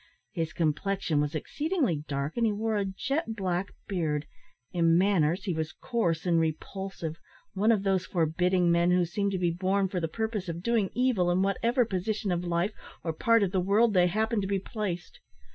His complexion was exceedingly dark, and he wore a jet black beard. In manners he was coarse and repulsive one of those forbidding men who seem to be born for the purpose of doing evil, in whatever position of life or part of the world they happen to be placed.